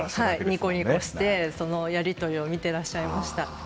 ニコニコして、そのやり取りを見ていらっしゃいました。